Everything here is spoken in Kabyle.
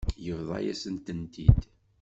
Yebḍa-yasent-tent-id.